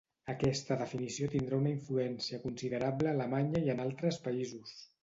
Aquesta definició tindrà una influència considerable a Alemanya i en altres països.